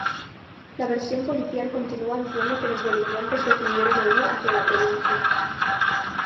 La versión policial continúa diciendo que los delincuentes decidieron huir hacia la provincia.